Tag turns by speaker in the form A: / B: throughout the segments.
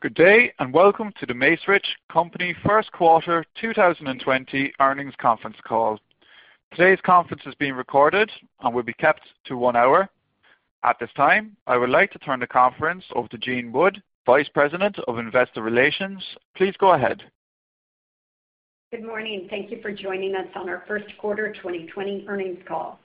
A: Good day, and welcome to The Macerich Company first quarter 2020 earnings conference call. Today's conference is being recorded and will be kept to one hour. At this time, I would like to turn the conference over to Jean Wood, Vice President of Investor Relations. Please go ahead.
B: Good morning. Thank you for joining us on our first quarter 2020 earnings call.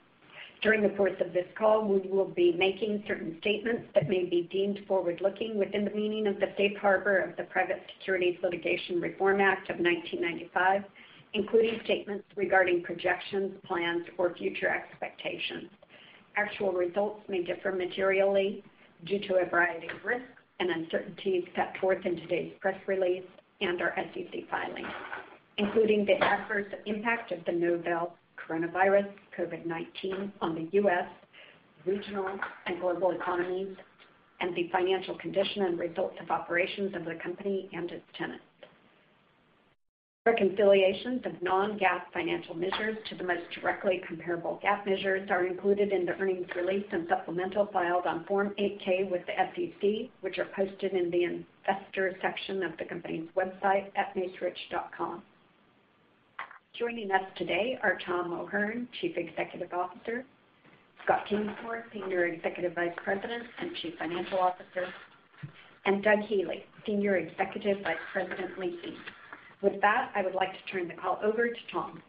B: During the course of this call, we will be making certain statements that may be deemed forward-looking within the meaning of the safe harbor of the Private Securities Litigation Reform Act of 1995, including statements regarding projections, plans, or future expectations. Actual results may differ materially due to a variety of risks and uncertainties set forth in today's press release and our SEC filings, including the adverse impact of the novel coronavirus, COVID-19, on the U.S., regional, and global economies and the financial condition and results of operations of the company and its tenants. Reconciliations of non-GAAP financial measures to the most directly comparable GAAP measures are included in the earnings release and supplemental filed on Form 8-K with the SEC, which are posted in the investor section of the company's website at macerich.com. Joining us today are Thomas O'Hern, Chief Executive Officer, Scott Kingsmore, Senior Executive Vice President and Chief Financial Officer, and Doug Healey, Senior Executive Vice President, Leasing. With that, I would like to turn the call over to Tom.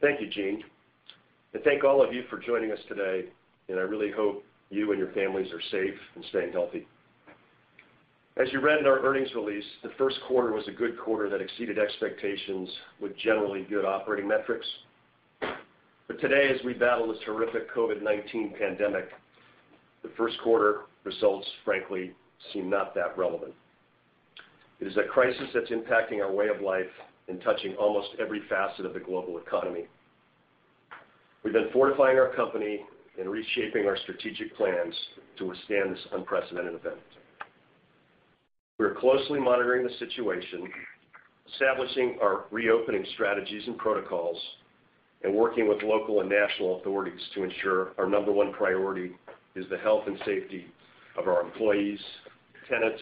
C: Thank you, Jean. I thank all of you for joining us today, and I really hope you and your families are safe and staying healthy. As you read in our earnings release, the first quarter was a good quarter that exceeded expectations with generally good operating metrics. Today, as we battle this horrific COVID-19 pandemic, the first quarter results frankly seem not that relevant. It is a crisis that's impacting our way of life and touching almost every facet of the global economy. We've been fortifying our company and reshaping our strategic plans to withstand this unprecedented event. We are closely monitoring the situation, establishing our reopening strategies and protocols, and working with local and national authorities to ensure our number one priority is the health and safety of our employees, tenants,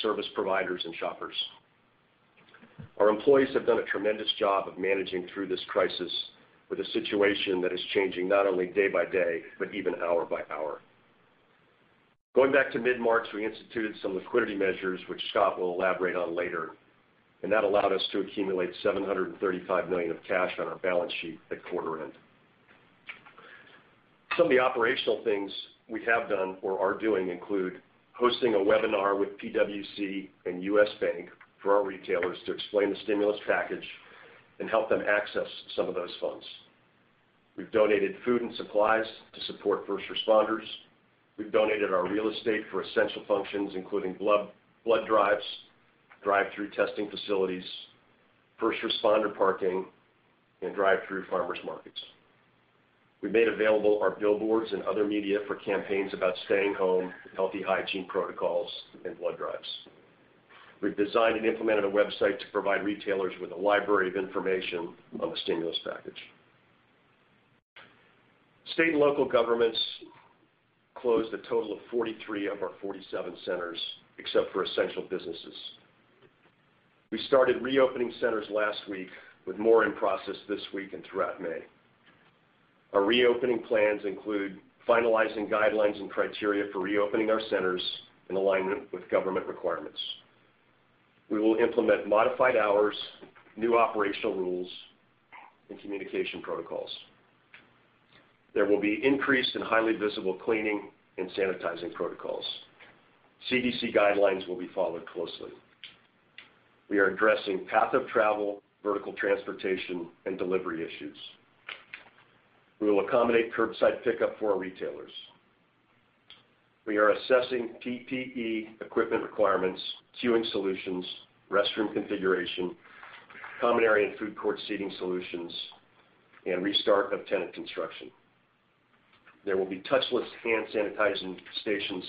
C: service providers, and shoppers. Our employees have done a tremendous job of managing through this crisis with a situation that is changing not only day by day, but even hour by hour. Going back to mid-March, we instituted some liquidity measures, which Scott will elaborate on later. That allowed us to accumulate $735 million of cash on our balance sheet at quarter end. Some of the operational things we have done or are doing include hosting a webinar with PwC and U.S. Bank for our retailers to explain the stimulus package and help them access some of those funds. We've donated food and supplies to support first responders. We've donated our real estate for essential functions, including blood drives, drive-through testing facilities, first responder parking, and drive-through farmers markets. We've made available our billboards and other media for campaigns about staying home, healthy hygiene protocols, and blood drives. We've designed and implemented a website to provide retailers with a library of information on the stimulus package. State and local governments closed a total of 43 of our 47 centers, except for essential businesses. We started reopening centers last week, with more in process this week and throughout May. Our reopening plans include finalizing guidelines and criteria for reopening our centers in alignment with government requirements. We will implement modified hours, new operational rules, and communication protocols. There will be increased and highly visible cleaning and sanitizing protocols. CDC guidelines will be followed closely. We are addressing path of travel, vertical transportation, and delivery issues. We will accommodate curbside pickup for our retailers. We are assessing PPE equipment requirements, queuing solutions, restroom configuration, common area and food court seating solutions, and restart of tenant construction. There will be touchless hand sanitizing stations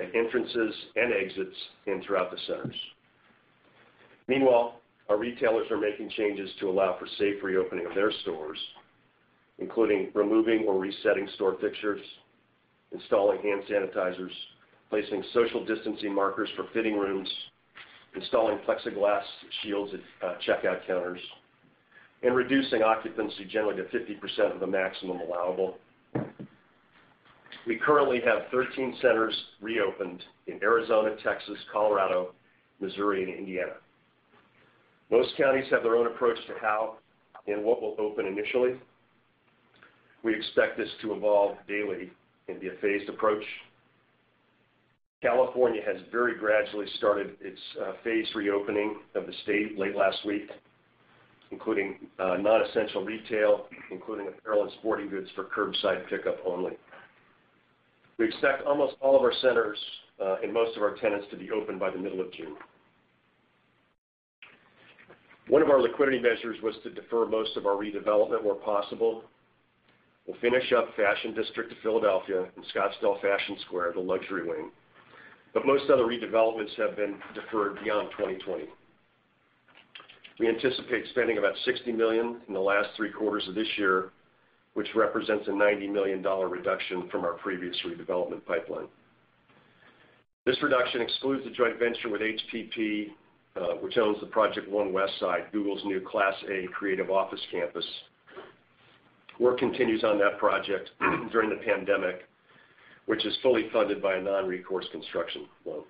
C: at entrances and exits and throughout the centers. Meanwhile, our retailers are making changes to allow for safe reopening of their stores, including removing or resetting store fixtures, installing hand sanitizers, placing social distancing markers for fitting rooms, installing plexiglass shields at checkout counters, and reducing occupancy generally to 50% of the maximum allowable. We currently have 13 centers reopened in Arizona, Texas, Colorado, Missouri, and Indiana. Most counties have their own approach to how and what will open initially. We expect this to evolve daily and be a phased approach. California has very gradually started its phase reopening of the state late last week, including non-essential retail, including apparel and sporting goods for curbside pickup only. We expect almost all of our centers and most of our tenants to be open by the middle of June. One of our liquidity measures was to defer most of our redevelopment where possible. We'll finish up Fashion District of Philadelphia and Scottsdale Fashion Square, the luxury wing. Most other redevelopments have been deferred beyond 2020. We anticipate spending about $60 million in the last three quarters of this year, which represents a $90 million reduction from our previous redevelopment pipeline. This reduction excludes the joint venture with HPP, which owns the Project One Westside, Google's new Class A creative office campus. Work continues on that project during the pandemic, which is fully funded by a non-recourse construction loan.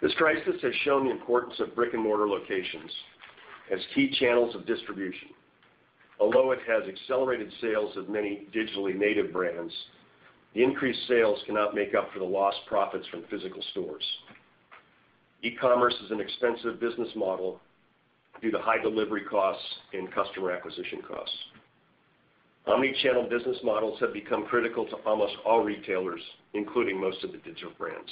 C: This crisis has shown the importance of brick-and-mortar locations as key channels of distribution. Although it has accelerated sales of many digitally native brands, the increased sales cannot make up for the lost profits from physical stores. E-commerce is an expensive business model due to high delivery costs and customer acquisition costs. Omnichannel business models have become critical to almost all retailers, including most of the digital brands.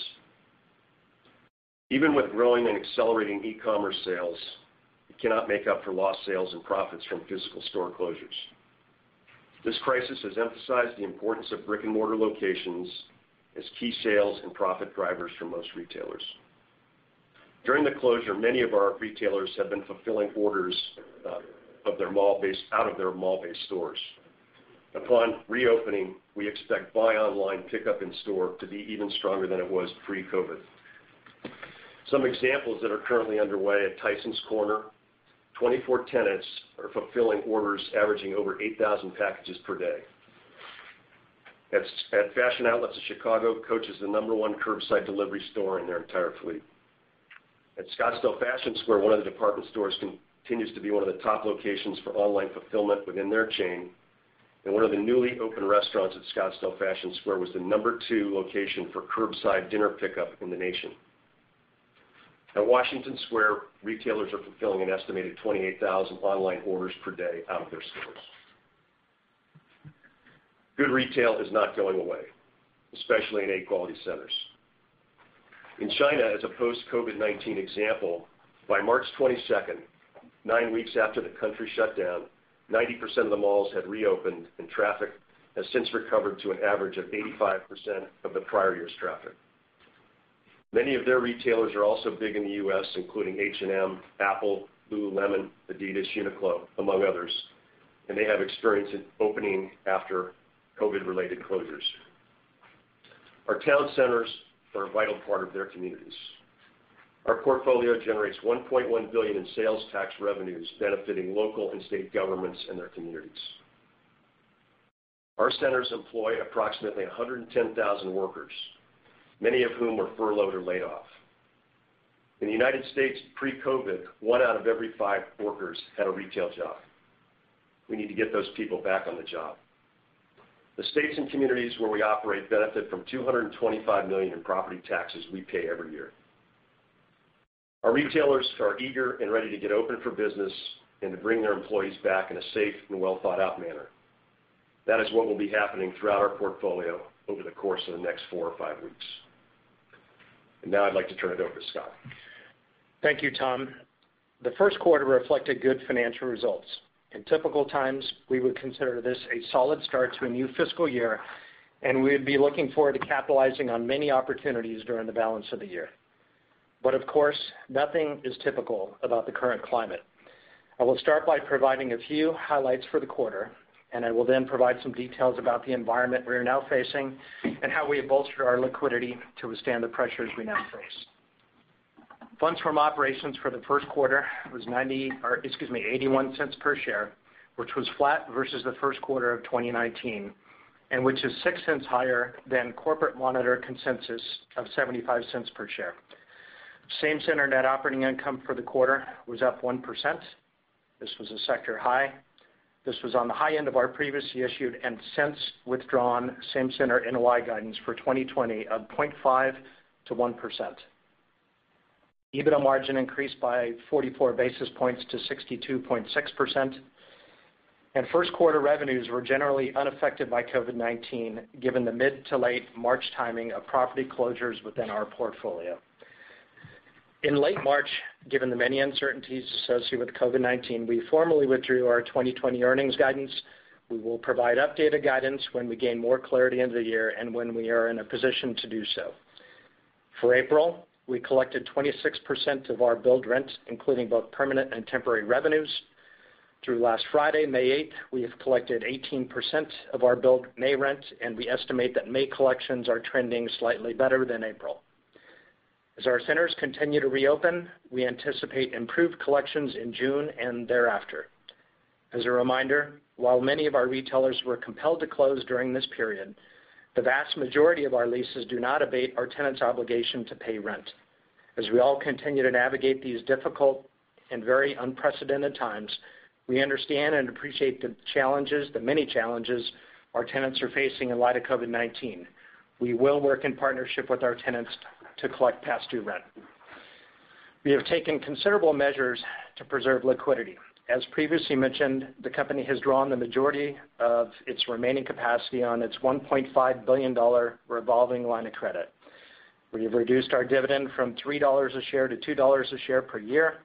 C: Even with growing and accelerating e-commerce sales, it cannot make up for lost sales and profits from physical store closures. This crisis has emphasized the importance of brick-and-mortar locations as key sales and profit drivers for most retailers. During the closure, many of our retailers have been fulfilling orders out of their mall-based stores. Upon reopening, we expect buy online, pickup in store to be even stronger than it was pre-COVID-19. Some examples that are currently underway at Tysons Corner, 24 tenants are fulfilling orders averaging over 8,000 packages per day. At Fashion Outlets of Chicago, Coach is the number 1 curbside delivery store in their entire fleet. At Scottsdale Fashion Square, one of the department stores continues to be one of the top locations for online fulfillment within their chain, and one of the newly opened restaurants at Scottsdale Fashion Square was the number two location for curbside dinner pickup in the nation. At Washington Square, retailers are fulfilling an estimated 28,000 online orders per day out of their stores. Good retail is not going away, especially in A quality centers. In China, as a post-COVID-19 example, by March 22nd, nine weeks after the country shut down, 90% of the malls had reopened, and traffic has since recovered to an average of 85% of the prior year's traffic. Many of their retailers are also big in the U.S., including H&M, Apple, Lululemon, Adidas, Uniqlo, among others, and they have experience in opening after COVID-related closures. Our town centers are a vital part of their communities. Our portfolio generates $1.1 billion in sales tax revenues, benefiting local and state governments and their communities. Our centers employ approximately 110,000 workers, many of whom were furloughed or laid off. In the United States, pre-COVID-19, one out of every five workers had a retail job. We need to get those people back on the job. The states and communities where we operate benefit from $225 million in property taxes we pay every year. Our retailers are eager and ready to get open for business and to bring their employees back in a safe and well-thought-out manner. That is what will be happening throughout our portfolio over the course of the next four or five weeks. Now I'd like to turn it over to Scott.
D: Thank you, Tom. The first quarter reflected good financial results. In typical times, we would consider this a solid start to a new fiscal year, and we'd be looking forward to capitalizing on many opportunities during the balance of the year. Of course, nothing is typical about the current climate. I will start by providing a few highlights for the quarter, and I will then provide some details about the environment we are now facing and how we have bolstered our liquidity to withstand the pressures we now face. Funds From Operations for the first quarter was $0.81 per share, which was flat versus the first quarter of 2019, and which is $0.06 higher than corporate monitor consensus of $0.75 per share. Same-center Net Operating Income for the quarter was up 1%. This was a sector high. This was on the high end of our previously issued and since withdrawn same-center NOI guidance for 2020 of 0.5% to 1%. EBITDA margin increased by 44 basis points to 62.6%. First quarter revenues were generally unaffected by COVID-19, given the mid to late March timing of property closures within our portfolio. In late March, given the many uncertainties associated with COVID-19, we formally withdrew our 2020 earnings guidance. We will provide updated guidance when we gain more clarity into the year and when we are in a position to do so. For April, we collected 26% of our billed rent, including both permanent and temporary revenues. Through last Friday, May 8th, we have collected 18% of our billed May rent, and we estimate that May collections are trending slightly better than April. As our centers continue to reopen, we anticipate improved collections in June and thereafter. As a reminder, while many of our retailers were compelled to close during this period, the vast majority of our leases do not abate our tenants' obligation to pay rent. As we all continue to navigate these difficult and very unprecedented times, we understand and appreciate the challenges, the many challenges our tenants are facing in light of COVID-19. We will work in partnership with our tenants to collect past due rent. We have taken considerable measures to preserve liquidity. As previously mentioned, the company has drawn the majority of its remaining capacity on its $1.5 billion revolving line of credit. We have reduced our dividend from $3 a share to $2 a share per year.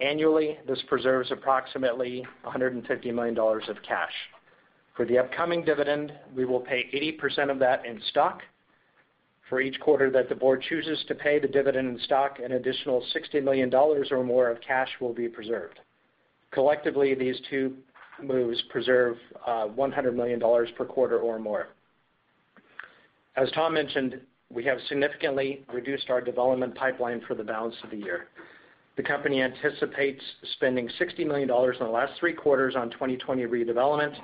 D: Annually, this preserves approximately $150 million of cash. For the upcoming dividend, we will pay 80% of that in stock. For each quarter that the board chooses to pay the dividend in stock, an additional $60 million or more of cash will be preserved. Collectively, these two moves preserve $100 million per quarter or more. As Tom mentioned, we have significantly reduced our development pipeline for the balance of the year. The company anticipates spending $60 million in the last three quarters on 2020 redevelopment.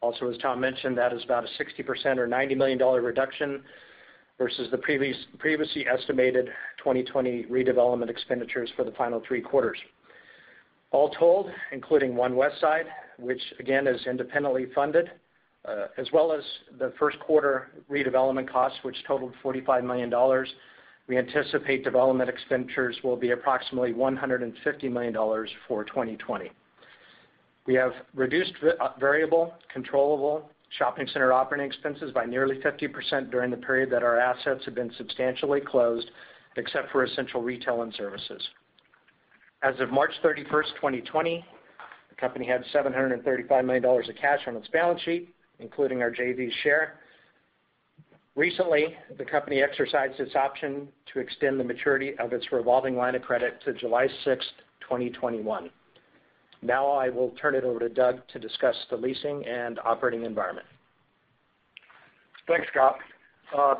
D: Also, as Tom mentioned, that is about a 60% or $90 million reduction versus the previously estimated 2020 redevelopment expenditures for the final three quarters. All told, including One Westside, which again, is independently funded, as well as the first quarter redevelopment cost, which totaled $45 million, we anticipate development expenditures will be approximately $150 million for 2020. We have reduced variable, controllable shopping center operating expenses by nearly 50% during the period that our assets have been substantially closed, except for essential retail and services. As of March 31st, 2020, the company had $735 million of cash on its balance sheet, including our JV share. Recently, the company exercised its option to extend the maturity of its revolving line of credit to July 6th, 2021. I will turn it over to Doug to discuss the leasing and operating environment.
E: Thanks, Scott.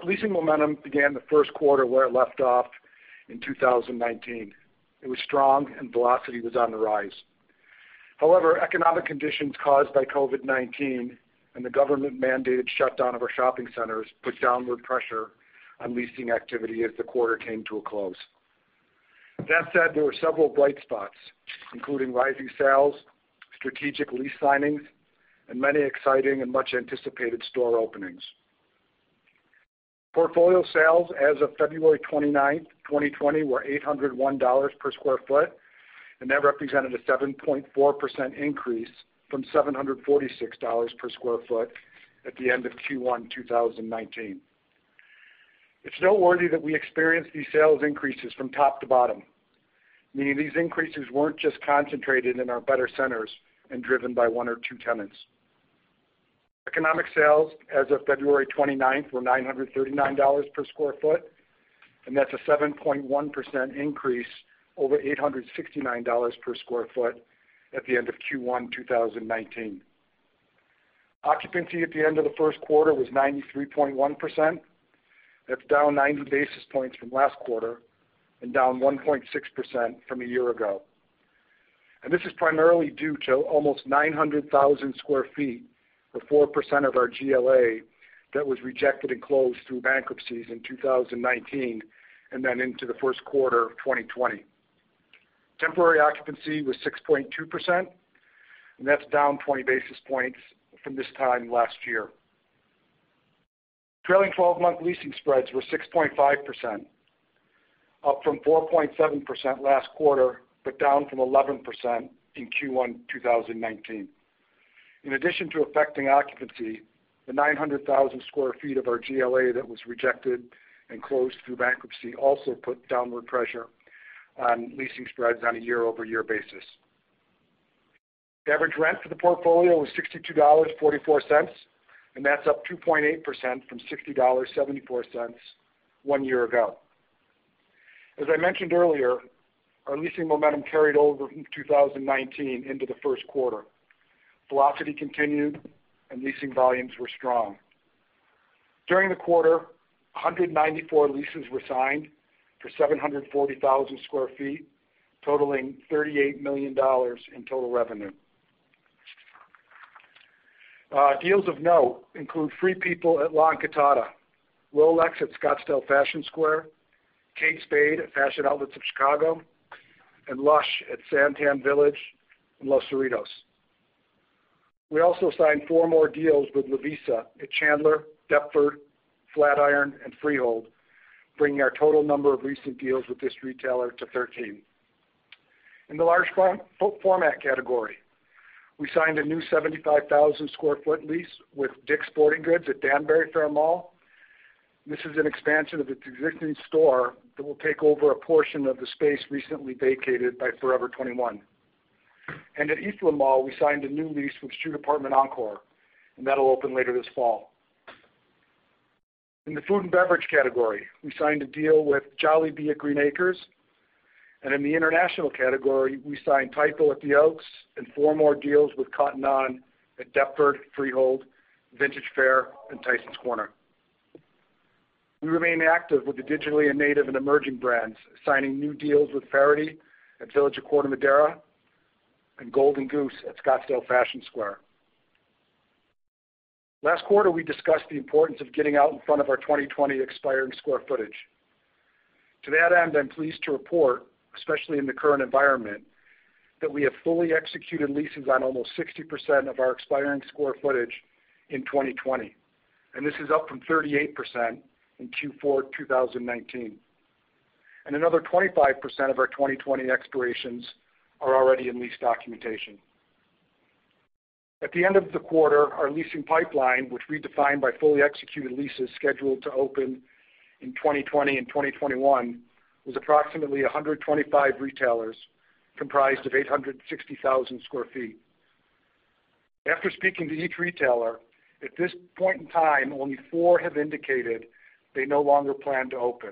E: Leasing momentum began the first quarter where it left off in 2019. It was strong and velocity was on the rise. However, economic conditions caused by COVID-19 and the government-mandated shutdown of our shopping centers put downward pressure on leasing activity as the quarter came to a close. That said, there were several bright spots, including rising sales, strategic lease signings, and many exciting and much-anticipated store openings. Portfolio sales as of February 29th, 2020, were $801 per square foot, and that represented a 7.4% increase from $746 per square foot at the end of Q1 2019. It's noteworthy that we experienced these sales increases from top to bottom, meaning these increases weren't just concentrated in our better centers and driven by one or two tenants. Economic sales as of February 29th were $939 per square foot, and that's a 7.1% increase over $869 per square foot at the end of Q1 2019. Occupancy at the end of the first quarter was 93.1%. That's down 90 basis points from last quarter and down 1.6% from a year ago. This is primarily due to almost 900,000 square feet, or 4% of our GLA, that was rejected and closed through bankruptcies in 2019 and then into the first quarter of 2020. Temporary occupancy was 6.2%, and that's down 20 basis points from this time last year. Trailing 12-month leasing spreads were 6.5%, up from 4.7% last quarter, but down from 11% in Q1 2019. In addition to affecting occupancy, the 900,000 square feet of our GLA that was rejected and closed through bankruptcy also put downward pressure on leasing spreads on a year-over-year basis. Average rent for the portfolio was $62.44. That's up 2.8% from $60.74 one year ago. As I mentioned earlier, our leasing momentum carried over from 2019 into the first quarter. Velocity continued. Leasing volumes were strong. During the quarter, 194 leases were signed for 740,000 sq ft, totaling $38 million in total revenue. Deals of note include Free People at La Encantada, Rolex at Scottsdale Fashion Square, Kate Spade at Fashion Outlets of Chicago, and Lush at SanTan Village and Los Cerritos. We also signed four more deals with Lovisa at Chandler, Deptford, Flatiron, and Freehold, bringing our total number of recent deals with this retailer to 13. In the large format category, we signed a new 75,000 sq ft lease with Dick's Sporting Goods at Danbury Fair Mall. This is an expansion of its existing store that will take over a portion of the space recently vacated by Forever 21. At Eastland Mall, we signed a new lease with SHOE DEPT. ENCORE, and that'll open later this fall. In the food and beverage category, we signed a deal with Jollibee at Green Acres. In the international category, we signed Typo at The Oaks and four more deals with Cotton On at Deptford, Freehold, Vintage Faire, and Tysons Corner. We remain active with the digitally and native and emerging brands, signing new deals with Faherty at Village at Corte Madera and Golden Goose at Scottsdale Fashion Square. Last quarter, we discussed the importance of getting out in front of our 2020 expiring square footage. To that end, I'm pleased to report, especially in the current environment, that we have fully executed leases on almost 60% of our expiring square footage in 2020. This is up from 38% in Q4 2019. Another 25% of our 2020 expirations are already in lease documentation. At the end of the quarter, our leasing pipeline, which we define by fully executed leases scheduled to open in 2020 and 2021, was approximately 125 retailers, comprised of 860,000 square feet. After speaking to each retailer, at this point in time, only four have indicated they no longer plan to open.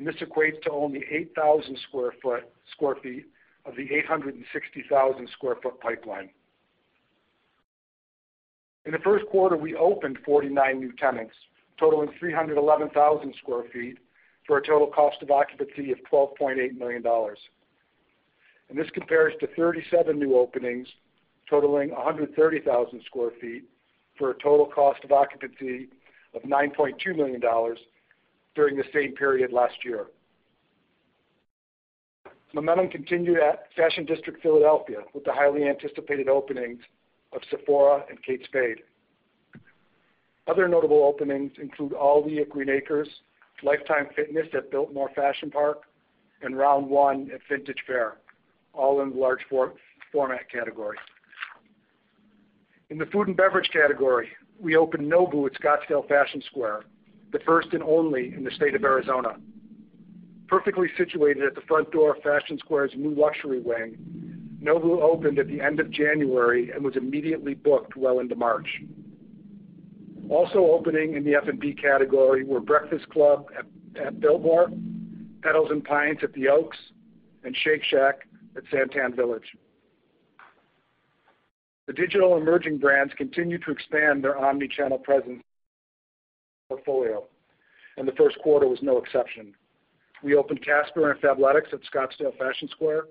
E: This equates to only 8,000 square feet of the 860,000-square-foot pipeline. In the first quarter, we opened 49 new tenants, totaling 311,000 square feet for a total cost of occupancy of $12.8 million. This compares to 37 new openings totaling 130,000 sq ft for a total cost of occupancy of $9.2 million during the same period last year. Momentum continued at Fashion District Philadelphia with the highly anticipated openings of Sephora and Kate Spade. Other notable openings include ALDI at Green Acres, Life Time at Biltmore Fashion Park, and Round1 at Vintage Faire, all in large format category. In the food and beverage category, we opened Nobu at Scottsdale Fashion Square, the first and only in the state of Arizona. Perfectly situated at the front door of Fashion Square's new luxury wing, Nobu opened at the end of January and was immediately booked well into March. Also opening in the F&B category were Breakfast Club at Biltmore, Pedals & Pints at The Oaks, and Shake Shack at SanTan Village. The digital emerging brands continue to expand their omni-channel presence portfolio, and the first quarter was no exception. We opened Casper and Fabletics at Scottsdale Fashion Square,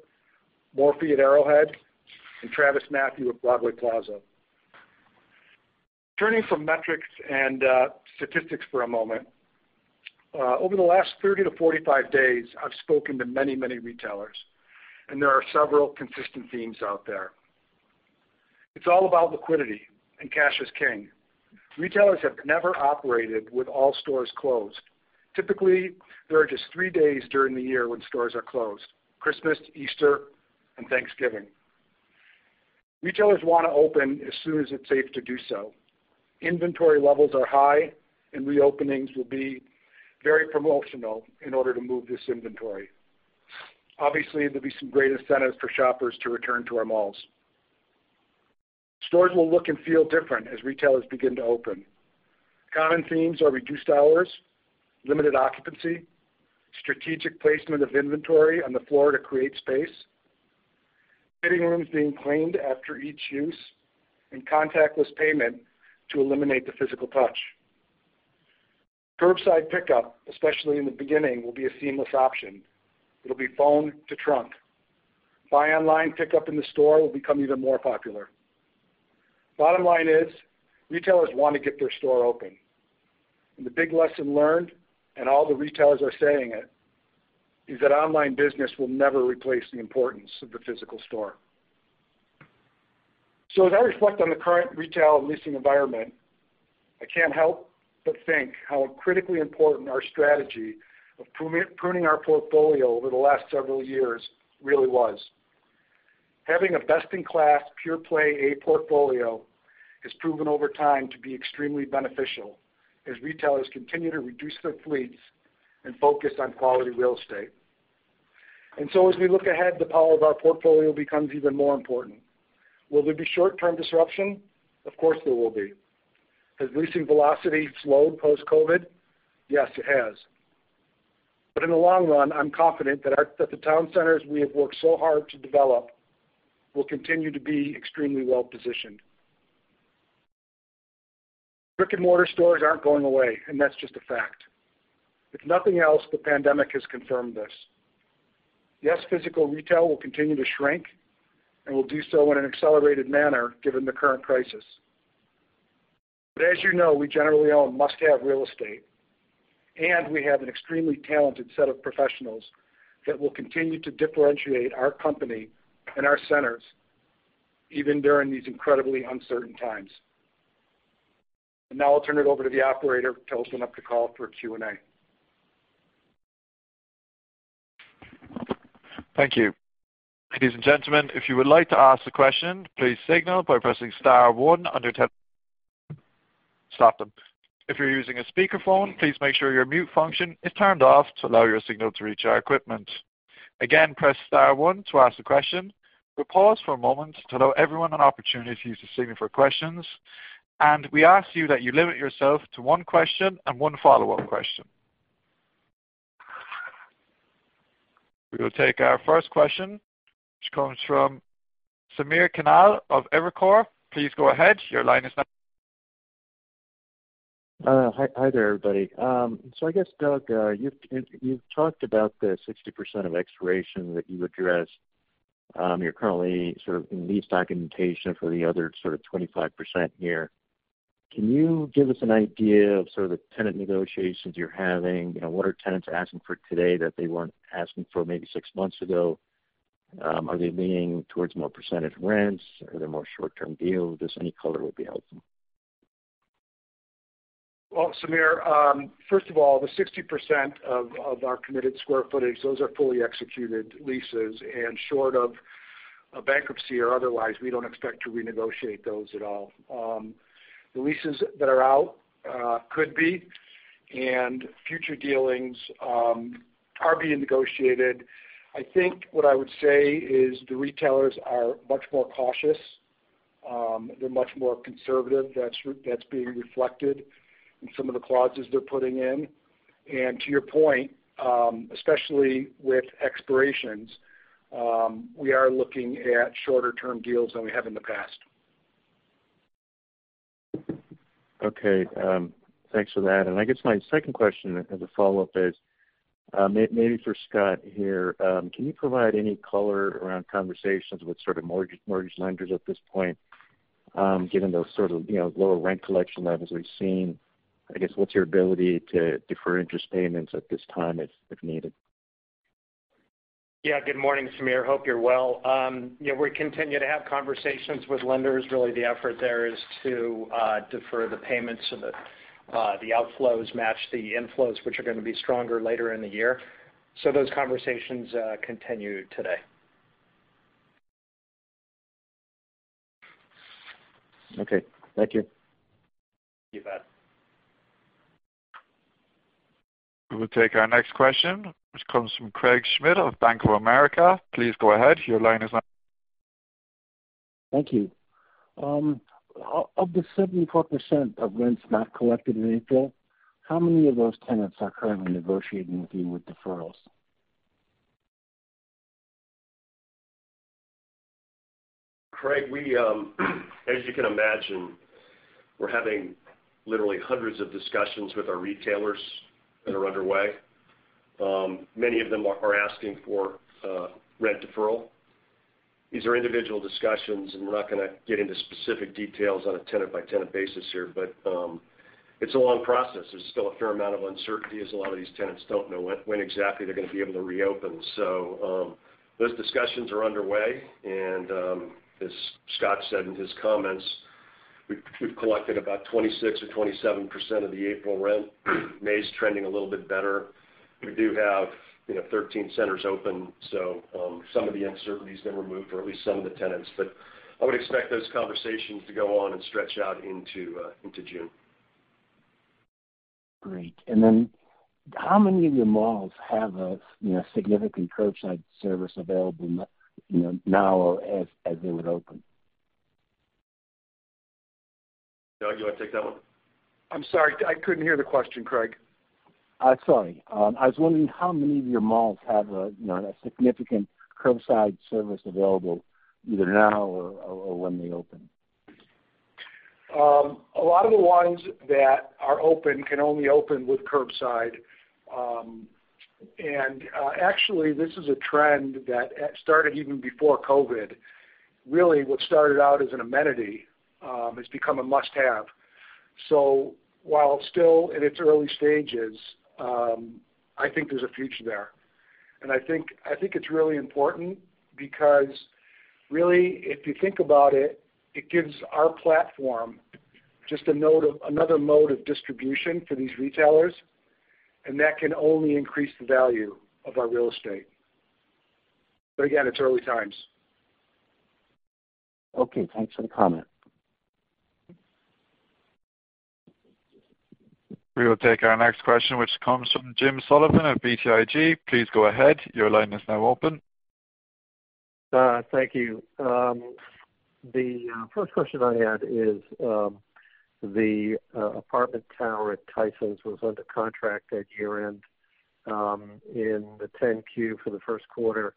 E: Morphe at Arrowhead, and TravisMathew at Broadway Plaza. Turning from metrics and statistics for a moment. Over the last 30 to 45 days, I have spoken to many, many retailers, and there are several consistent themes out there. It is all about liquidity, and cash is king. Retailers have never operated with all stores closed. Typically, there are just three days during the year when stores are closed: Christmas, Easter, and Thanksgiving. Retailers want to open as soon as it's safe to do so. Inventory levels are high, and reopenings will be very promotional in order to move this inventory. Obviously, there will be some great incentives for shoppers to return to our malls. Stores will look and feel different as retailers begin to open. Common themes are reduced hours, limited occupancy, strategic placement of inventory on the floor to create space, fitting rooms being cleaned after each use, and contactless payment to eliminate the physical touch. Curbside pickup, especially in the beginning, will be a seamless option. It'll be phone to trunk. Buy online, pick up in the store will become even more popular. Bottom line is, retailers want to get their store open. The big lesson learned, and all the retailers are saying it, is that online business will never replace the importance of the physical store. As I reflect on the current retail leasing environment, I can't help but think how critically important our strategy of pruning our portfolio over the last several years really was. Having a best-in-class, pure-play A portfolio has proven over time to be extremely beneficial as retailers continue to reduce their fleets and focus on quality real estate. As we look ahead, the power of our portfolio becomes even more important. Will there be short-term disruption? Of course, there will be. Has leasing velocity slowed post-COVID-19? Yes, it has. In the long run, I'm confident that the town centers we have worked so hard to develop will continue to be extremely well-positioned. Brick-and-mortar stores aren't going away, and that's just a fact. If nothing else, the pandemic has confirmed this. Yes, physical retail will continue to shrink and will do so in an accelerated manner given the current crisis. As you know, we generally own must-have real estate, and we have an extremely talented set of professionals that will continue to differentiate our company and our centers even during these incredibly uncertain times. Now I'll turn it over to the operator to open up the call for Q&A.
A: Thank you. Ladies and gentlemen, if you would like to ask a question, please signal by pressing star one on your telephone keypad. If you're using a speakerphone, please make sure your mute function is turned off to allow your signal to reach our equipment. Again, press star one to ask a question. We'll pause for a moment to allow everyone an opportunity to use the signal for questions. We ask you that you limit yourself to one question and one follow-up question. We will take our first question, which comes from Samir Khanal of Evercore. Please go ahead. Your line is now open.
F: Hi there, everybody. Doug, you've talked about the 60% of expiration that you addressed. You're currently sort of in lease documentation for the other sort of 25% here. Can you give us an idea of sort of the tenant negotiations you're having? What are tenants asking for today that they weren't asking for maybe six months ago? Are they leaning towards more percentage rents? Are there more short-term deals? Just any color would be helpful.
E: Well, Samir, first of all, the 60% of our committed square footage, those are fully executed leases. Short of a bankruptcy or otherwise, we don't expect to renegotiate those at all. Future dealings are being negotiated. I think what I would say is the retailers are much more cautious. They're much more conservative. That's being reflected in some of the clauses they're putting in. To your point, especially with expirations, we are looking at shorter-term deals than we have in the past.
F: Okay. Thanks for that. I guess my second question as a follow-up is, maybe for Scott here, can you provide any color around conversations with sort of mortgage lenders at this point, given those sort of lower rent collection levels we've seen? I guess, what's your ability to defer interest payments at this time if needed?
D: Good morning, Samir. Hope you're well. We continue to have conversations with lenders. Really the effort there is to defer the payments so that the outflows match the inflows, which are going to be stronger later in the year. Those conversations continue today.
F: Okay. Thank you.
D: You bet.
A: We will take our next question, which comes from Craig Schmidt of Bank of America. Please go ahead. Your line is open.
G: Thank you. Of the 74% of rents not collected in April, how many of those tenants are currently negotiating with you with deferrals?
C: Craig, as you can imagine, we're having literally hundreds of discussions with our retailers that are underway. Many of them are asking for rent deferral. These are individual discussions, and we're not going to get into specific details on a tenant-by-tenant basis here. It's a long process. There's still a fair amount of uncertainty as a lot of these tenants don't know when exactly they're going to be able to reopen. Those discussions are underway and, as Scott said in his comments, we've collected about 26% or 27% of the April rent. May's trending a little bit better. We do have 13 centers open, some of the uncertainty's been removed for at least some of the tenants. I would expect those conversations to go on and stretch out into June.
G: Great, how many of your malls have a significant curbside service available now or as they would open?
C: Doug, you want to take that one?
E: I'm sorry, I couldn't hear the question, Craig.
G: Sorry. I was wondering how many of your malls have a significant curbside service available, either now or when they open.
E: A lot of the ones that are open can only open with curbside. Actually, this is a trend that started even before COVID. Really what started out as an amenity has become a must-have. While it's still in its early stages, I think there's a future there. I think it's really important because really, if you think about it gives our platform just another mode of distribution for these retailers, and that can only increase the value of our real estate. Again, it's early times.
G: Okay. Thanks for the comment.
A: We will take our next question, which comes from James Sullivan of BTIG. Please go ahead. Your line is now open.
H: Thank you. The first question I had is, the apartment tower at Tysons was under contract at year-end. In the 10-Q for the first quarter,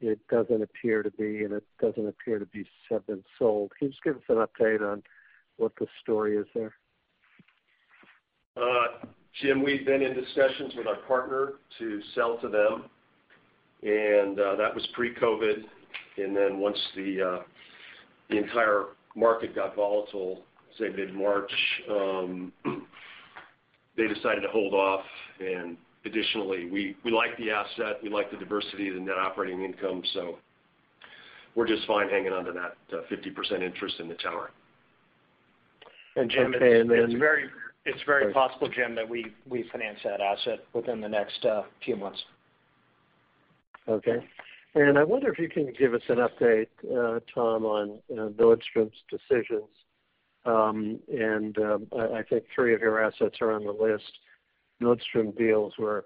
H: it doesn't appear to be, and it doesn't appear to have been sold. Can you just give us an update on what the story is there?
C: Jim, we've been in discussions with our partner to sell to them, and that was pre-COVID. Once the entire market got volatile, say mid-March, they decided to hold off. Additionally, we like the asset, we like the diversity, the net operating income. We're just fine hanging on to that 50% interest in the tower.
D: It's very possible, Jim, that we finance that asset within the next few months.
H: Okay. I wonder if you can give us an update, Tom, on Nordstrom's decisions. I think three of your assets are on the list. Nordstrom deals were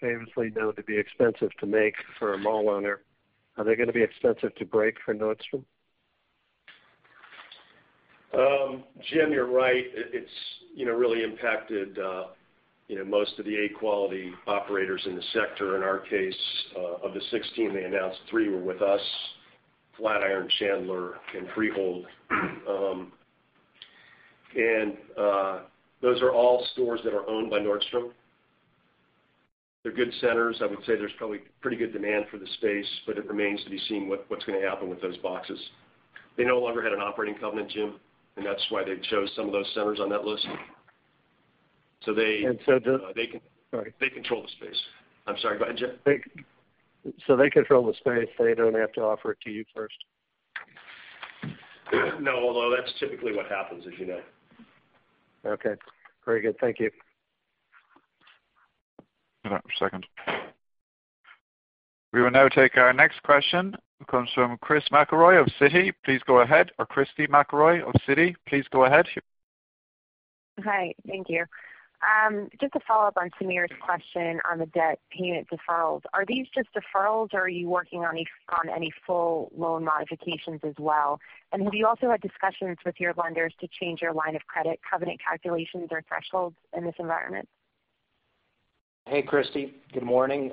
H: famously known to be expensive to make for a mall owner. Are they going to be expensive to break for Nordstrom?
C: Jim, you're right. It's really impacted most of the A quality operators in the sector. In our case, of the 16 they announced, three were with us, Flatiron, Chandler and Freehold. Those are all stores that are owned by Nordstrom. They're good centers. It remains to be seen what's going to happen with those boxes. They no longer had an operating covenant, Jim, That's why they chose some of those centers on that list.
H: And so the-
C: They-
H: Sorry.
C: They control the space. I'm sorry, go ahead, Jim.
H: They control the space. They don't have to offer it to you first.
C: No, although that's typically what happens, as you know.
H: Okay. Very good. Thank you.
A: One second. We will now take our next question. It comes from Christy McElroy of Citi. Please go ahead. Or Christy McElroy of Citi. Please go ahead.
I: Hi. Thank you. Just to follow up on Samir's question on the debt payment deferrals, are these just deferrals or are you working on any full loan modifications as well? Have you also had discussions with your lenders to change your line of credit covenant calculations or thresholds in this environment?
C: Hey, Christy. Good morning.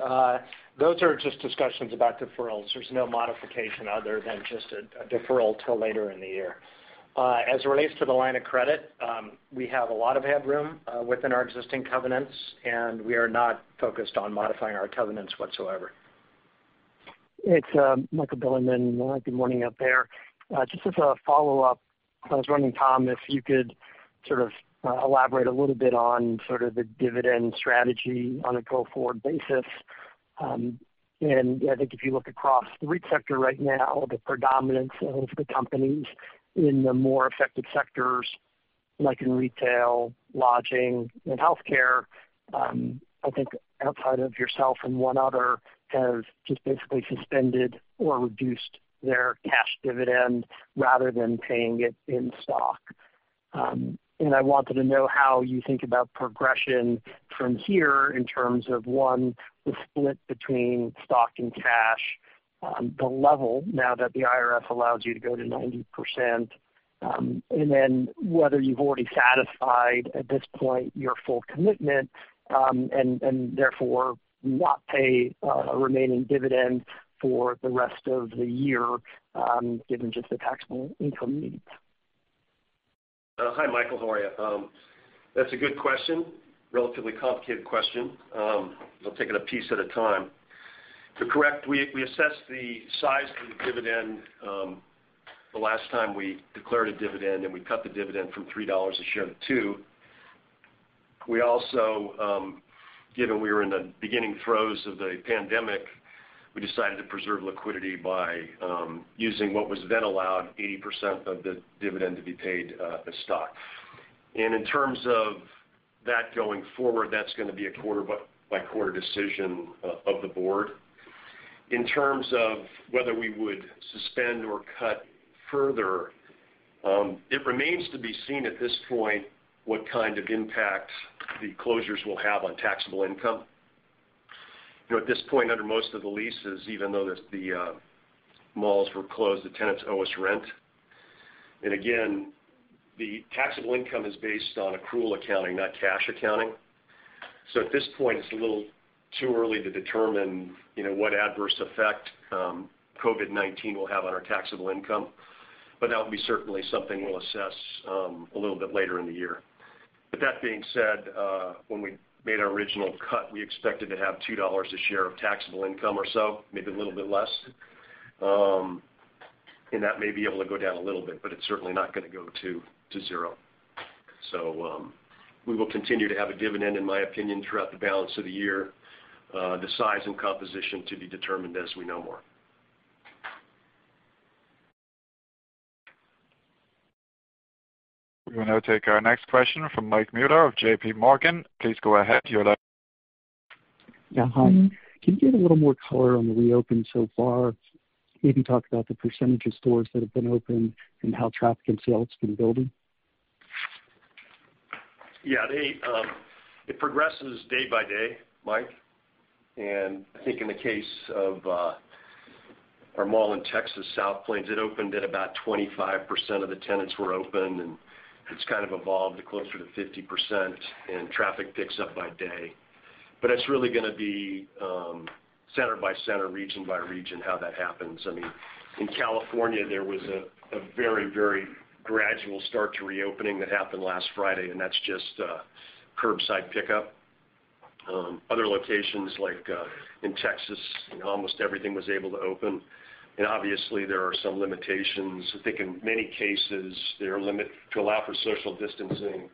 C: Those are just discussions about deferrals. There is no modification other than just a deferral till later in the year. As it relates to the line of credit, we have a lot of headroom within our existing covenants, and we are not focused on modifying our covenants whatsoever.
J: It's Michael Bilerman. Good morning out there. Just as a follow-up, I was wondering, Tom, if you could sort of elaborate a little bit on sort of the dividend strategy on a go-forward basis. I think if you look across the REIT sector right now, the predominance of the companies in the more affected sectors, like in retail, lodging, and healthcare, I think outside of yourself and one other, have just basically suspended or reduced their cash dividend rather than paying it in stock. I wanted to know how you think about progression from here in terms of, one, the split between stock and cash, the level now that the IRS allows you to go to 90%, and then whether you've already satisfied at this point your full commitment, and therefore, not pay a remaining dividend for the rest of the year, given just the taxable income needs.
C: Hi, Michael. How are you? That's a good question. Relatively complicated question. I'll take it a piece at a time. To correct, we assessed the size of the dividend, the last time we declared a dividend, and we cut the dividend from $3 a share to $2. We also, given we were in the beginning throes of the pandemic, we decided to preserve liquidity by using what was then allowed 80% of the dividend to be paid as stock. In terms of that going forward, that's going to be a quarter by quarter decision of the board. In terms of whether we would suspend or cut further, it remains to be seen at this point, what kind of impact the closures will have on taxable income. At this point, under most of the leases, even though the malls were closed, the tenants owe us rent. Again, the taxable income is based on accrual accounting, not cash accounting. At this point, it's a little too early to determine what adverse effect COVID-19 will have on our taxable income, but that will be certainly something we'll assess a little bit later in the year. That being said, when we made our original cut, we expected to have $2 a share of taxable income or so, maybe a little bit less. That may be able to go down a little bit, but it's certainly not going to go to zero. We will continue to have a dividend, in my opinion, throughout the balance of the year, the size and composition to be determined as we know more.
A: We will now take our next question from Michael Mueller of JPMorgan. Please go ahead. You're live.
K: Yeah. Hi. Can you give a little more color on the reopen so far? Maybe talk about the % of stores that have been open and how traffic and sales have been building.
C: Yeah. It progresses day by day, Mike, and I think in the case of our mall in Texas, South Plains, it opened at about 25% of the tenants were open, and it's kind of evolved to closer to 50%, and traffic picks up by day. It's really going to be center by center, region by region, how that happens. In California, there was a very gradual start to reopening that happened last Friday, and that's just curbside pickup. Other locations, like in Texas, almost everything was able to open. Obviously there are some limitations. I think in many cases, to allow for social distancing,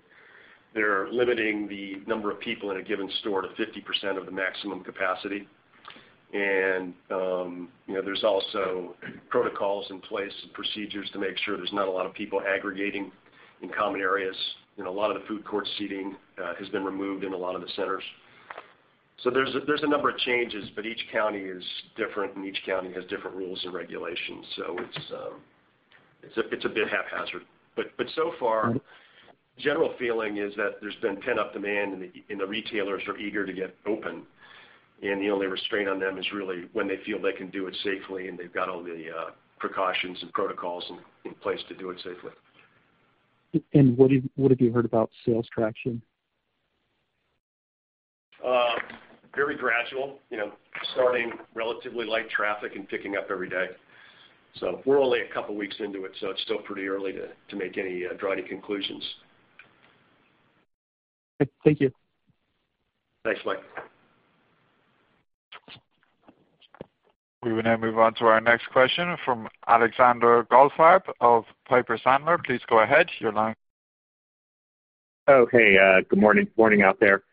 C: they're limiting the number of people in a given store to 50% of the maximum capacity. And there's also protocols in place and procedures to make sure there's not a lot of people aggregating in common areas. A lot of the food court seating has been removed in a lot of the centers. There's a number of changes, but each county is different, and each county has different rules and regulations. So far, general feeling is that there's been pent-up demand and the retailers are eager to get open. The only restraint on them is really when they feel they can do it safely and they've got all the precautions and protocols in place to do it safely.
K: What have you heard about sales traction?
C: Very gradual. Starting relatively light traffic and picking up every day. We're only a couple of weeks into it, so it's still pretty early to draw any conclusions.
K: Thank you.
C: Thanks, Mike.
A: We will now move on to our next question from Alexander Goldfarb of Piper Sandler. Please go ahead. You are live.
L: Oh, hey. Good morning out there.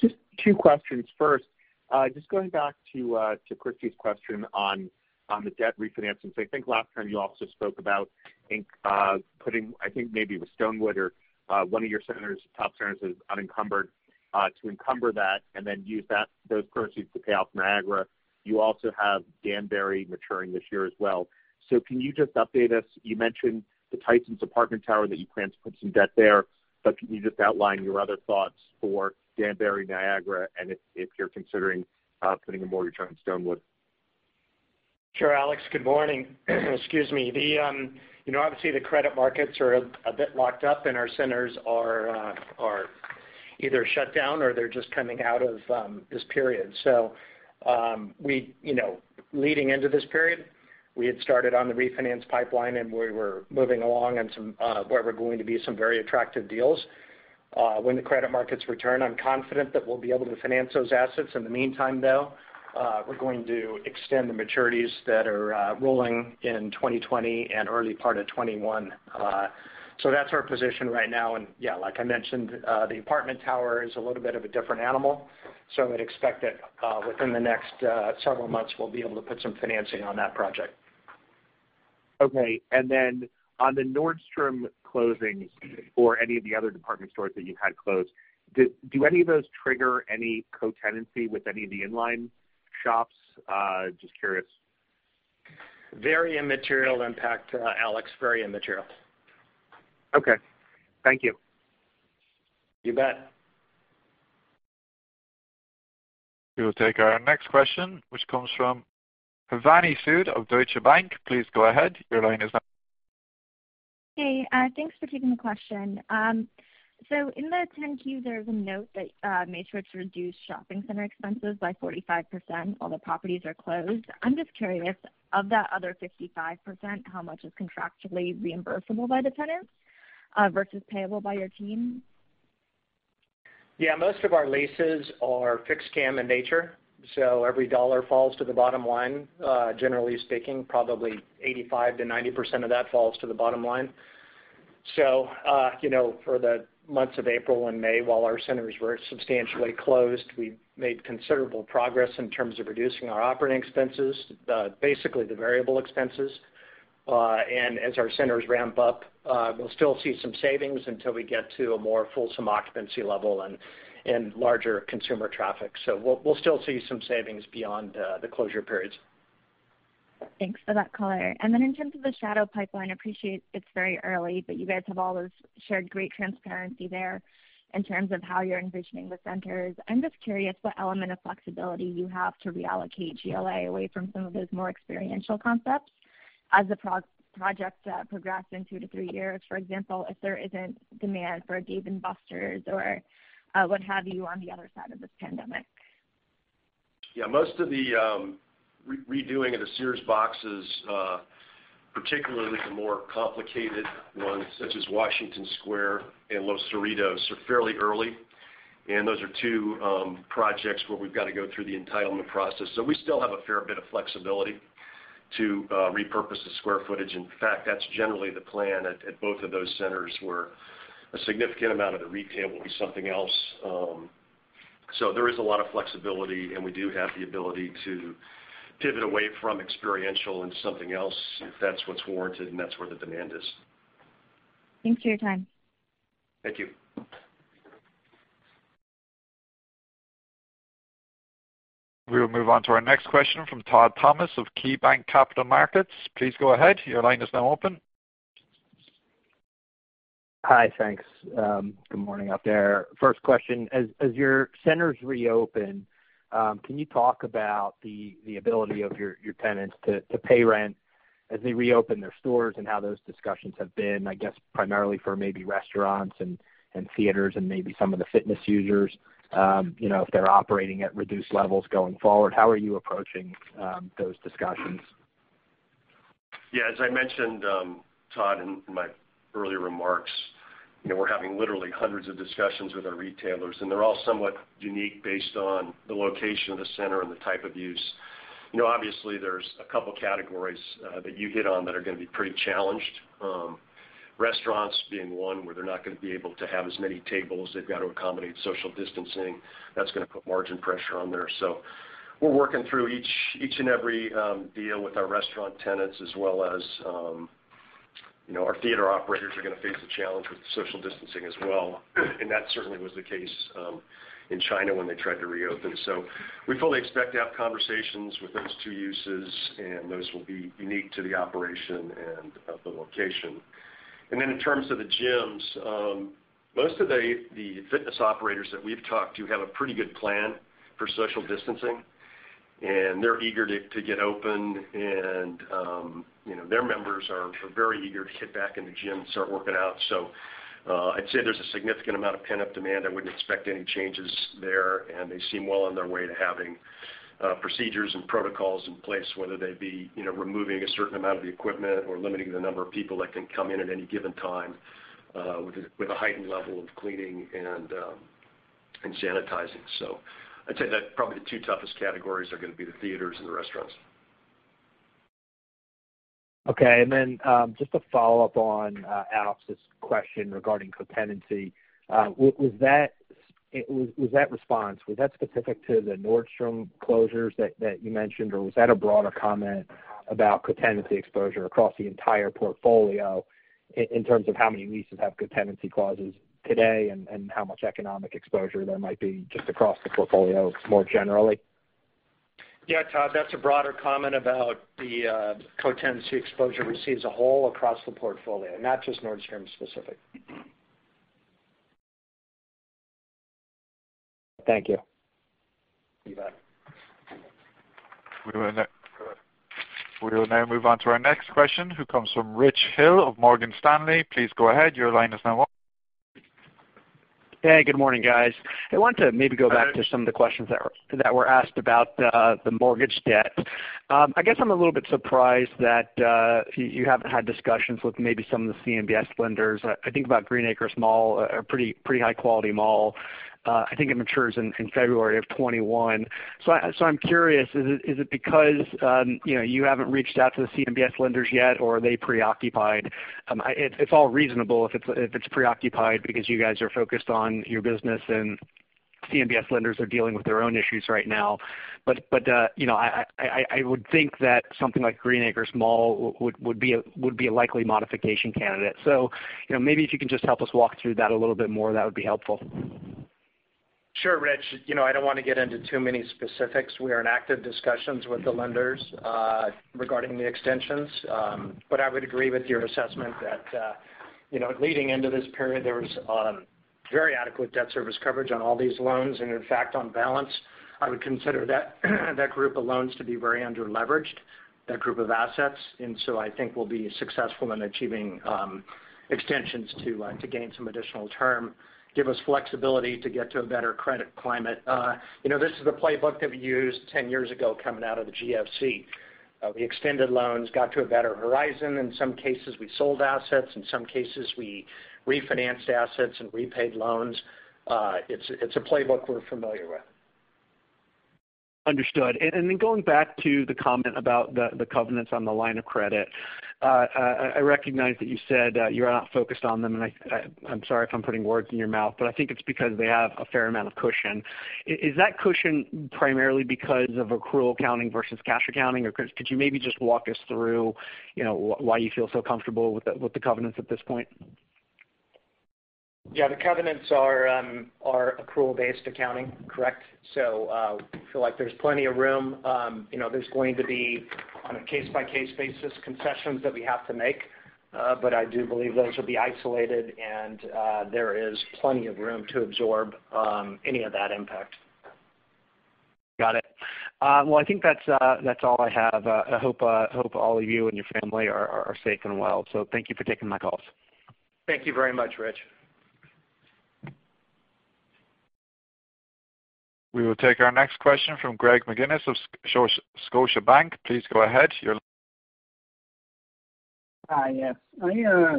L: Just two questions. First, just going back to Christy's question on the debt refinancing. I think last time you also spoke about putting, I think maybe with Stonewood or one of your top centers as unencumbered to encumber that and then use those proceeds to pay off Niagara. You also have Danbury maturing this year as well. Can you just update us? You mentioned the Tysons apartment tower that you plan to put some debt there, but can you just outline your other thoughts for Danbury, Niagara, and if you're considering putting a mortgage on Stonewood?
D: Sure, Alex. Good morning. Excuse me. Obviously, the credit markets are a bit locked up, and our centers are either shut down or they're just coming out of this period. Leading into this period, we had started on the refinance pipeline, and we were moving along on what were going to be some very attractive deals. When the credit markets return, I'm confident that we'll be able to finance those assets. In the meantime, though, we're going to extend the maturities that are rolling in 2020 and early part of 2021. That's our position right now. Yeah, like I mentioned, the apartment tower is a little bit of a different animal, so I'd expect that within the next several months, we'll be able to put some financing on that project.
L: Okay. Then on the Nordstrom closings or any of the other department stores that you've had closed, do any of those trigger any co-tenancy with any of the inline shops? Just curious.
D: Very immaterial impact, Alex. Very immaterial.
L: Okay. Thank you.
D: You bet.
A: We will take our next question, which comes from Shivani Sood of Deutsche Bank. Please go ahead. Your line is now-
M: Hey, thanks for taking the question. In the 10-Q, there was a note that Macerich reduced shopping center expenses by 45% while the properties are closed. I'm just curious, of that other 55%, how much is contractually reimbursable by the tenants versus payable by your team?
D: Yeah. Most of our leases are fixed CAM in nature, so every dollar falls to the bottom line. Generally speaking, probably 85%-90% of that falls to the bottom line. For the months of April and May, while our centers were substantially closed, we made considerable progress in terms of reducing our operating expenses, basically the variable expenses. As our centers ramp up, we'll still see some savings until we get to a more fulsome occupancy level and larger consumer traffic. We'll still see some savings beyond the closure periods.
M: Thanks for that color. In terms of the shadow pipeline, I appreciate it's very early, but you guys have always shared great transparency there in terms of how you're envisioning the centers. I'm just curious what element of flexibility you have to reallocate GLA away from some of those more experiential concepts as the project progress in two to three years. For example, if there isn't demand for a Dave & Buster's or what have you on the other side of this pandemic.
C: Yeah, most of the redoing of the Sears boxes, particularly the more complicated ones such as Washington Square and Los Cerritos, are fairly early, and those are two projects where we've got to go through the entitlement process. We still have a fair bit of flexibility to repurpose the square footage. In fact, that's generally the plan at both of those centers, where a significant amount of the retail will be something else. There is a lot of flexibility, and we do have the ability to pivot away from experiential into something else if that's what's warranted and that's where the demand is.
M: Thanks for your time.
C: Thank you.
A: We will move on to our next question from Todd Thomas of KeyBanc Capital Markets. Please go ahead. Your line is now open.
N: Hi. Thanks. Good morning out there. First question: as your centers reopen, can you talk about the ability of your tenants to pay rent as they reopen their stores and how those discussions have been, I guess primarily for maybe restaurants and theaters and maybe some of the fitness users if they're operating at reduced levels going forward. How are you approaching those discussions?
C: As I mentioned, Todd, in my earlier remarks, we're having literally hundreds of discussions with our retailers. They're all somewhat unique based on the location of the center and the type of use. Obviously, there's a couple categories that you hit on that are going to be pretty challenged. Restaurants being one, where they're not going to be able to have as many tables. They've got to accommodate social distancing. That's going to put margin pressure on there. We're working through each and every deal with our restaurant tenants as well as our theater operators are going to face a challenge with social distancing as well. That certainly was the case in China when they tried to reopen. We fully expect to have conversations with those two uses. Those will be unique to the operation and the location. In terms of the gyms, most of the fitness operators that we've talked to have a pretty good plan for social distancing, and they're eager to get open, and their members are very eager to get back in the gym and start working out. I'd say there's a significant amount of pent-up demand. I wouldn't expect any changes there, and they seem well on their way to having procedures and protocols in place, whether they be removing a certain amount of the equipment or limiting the number of people that can come in at any given time, with a heightened level of cleaning and sanitizing. I'd say that probably the two toughest categories are going to be the theaters and the restaurants.
N: Okay, then just a follow-up on Alex's question regarding co-tenancy. Was that response specific to the Nordstrom closures that you mentioned, or was that a broader comment about co-tenancy exposure across the entire portfolio in terms of how many leases have co-tenancy clauses today and how much economic exposure there might be just across the portfolio more generally?
D: Yeah, Todd, that's a broader comment about the co-tenancy exposure we see as a whole across the portfolio, not just Nordstrom specific.
N: Thank you.
D: You bet.
A: We will now move on to our next question, which comes from Richard Hill of Morgan Stanley. Please go ahead. Your line is now on.
O: Hey, good morning, guys. I want to maybe go back to some of the questions that were asked about the mortgage debt. I guess I'm a little bit surprised that you haven't had discussions with maybe some of the CMBS lenders. I think about Green Acres Mall, a pretty high-quality mall. I think it matures in February of 2021. I'm curious, is it because you haven't reached out to the CMBS lenders yet, or are they preoccupied? It's all reasonable if it's preoccupied because you guys are focused on your business and CMBS lenders are dealing with their own issues right now. I would think that something like Green Acres Mall would be a likely modification candidate. Maybe if you can just help us walk through that a little bit more, that would be helpful.
D: Sure, Rich. I don't want to get into too many specifics. We are in active discussions with the lenders regarding the extensions. I would agree with your assessment that leading into this period, there was very adequate debt service coverage on all these loans. In fact, on balance, I would consider that group of loans to be very under-leveraged, that group of assets. I think we'll be successful in achieving extensions to gain some additional term, give us flexibility to get to a better credit climate. This is the playbook that we used 10 years ago coming out of the GFC. We extended loans, got to a better horizon. In some cases, we sold assets. In some cases, we refinanced assets and repaid loans. It's a playbook we're familiar with.
O: Understood. Going back to the comment about the covenants on the line of credit. I recognize that you said that you're not focused on them, and I'm sorry if I'm putting words in your mouth, but I think it's because they have a fair amount of cushion. Is that cushion primarily because of accrual accounting versus cash accounting? Could you maybe just walk us through why you feel so comfortable with the covenants at this point?
D: The covenants are accrual-based accounting. Correct. We feel like there's plenty of room. There's going to be, on a case-by-case basis, concessions that we have to make. I do believe those will be isolated, and there is plenty of room to absorb any of that impact.
O: Got it. Well, I think that's all I have. I hope all of you and your family are safe and well. Thank you for taking my calls.
D: Thank you very much, Rich.
A: We will take our next question from Greg McGinniss of Scotiabank. Please go ahead, your line-
P: Hi. Yes. I